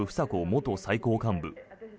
元最高幹部。